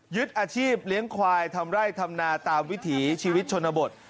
ยึดอาชีพเลี้ยงควายทำไร่ทำนาตามวิถีชีวิตชนบท